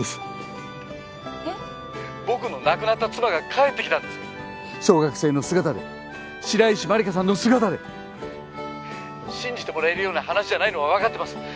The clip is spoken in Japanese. ☎僕の亡くなった妻が帰ってきたんです小学生の姿で白石万理華さんの姿で☎信じてもらえるような話じゃないのは分かってます